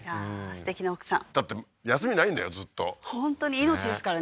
すてきな奥さんだって休みないんだよずっと本当に命ですからね